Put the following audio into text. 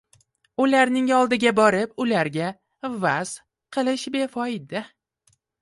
Ularning oldiga borib, ularga va'z qilish befoyda